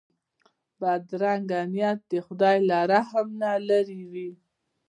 بدرنګه نیت د خدای له رحم نه لیرې وي